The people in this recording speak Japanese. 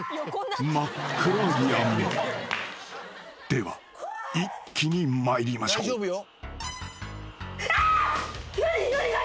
［では一気に参りましょう］うわ！？何？